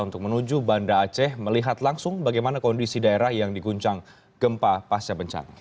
untuk menuju banda aceh melihat langsung bagaimana kondisi daerah yang diguncang gempa pasca bencana